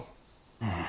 うん。